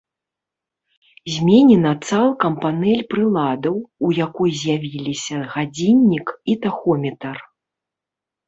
Зменена цалкам панэль прыладаў, у якой з'явіліся гадзіннік і тахометр.